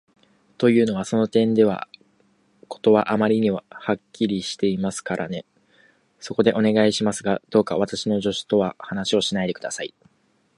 というのは、その点では事はあまりにはっきりしていますからね。そこで、お願いしますが、どうか私の助手とは話をしないで下さい。